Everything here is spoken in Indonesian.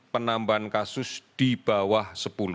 penambahan kasus di bawah sepuluh